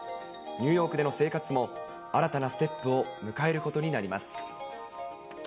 ニューヨークでの生活も新たなステップを迎えることになります。